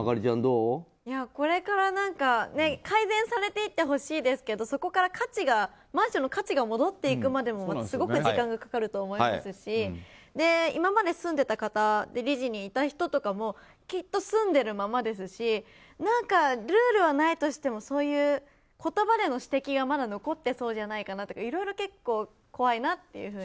これから、改善されていってほしいですけどそこからマンションの価値が戻っていくまでもすごく時間がかかると思いますし今まで住んでいた方理事にいた人とかもきっと住んでるままですしルールはないとしてもそういう言葉での指摘がまだ残っていそうじゃないかなといろいろ、怖いなっていうふうに。